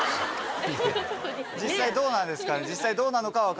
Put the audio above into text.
実際どうなんですか。